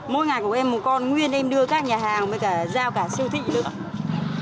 mỗi ngày của em một con nguyên em đưa các nhà hàng mới cả giao cả siêu thị nữa